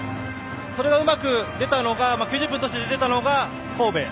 それがうまく９０分として出たのが神戸。